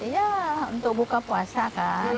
ya untuk buka puasa kan